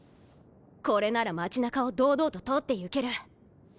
これなら町中を堂々と通ってゆける。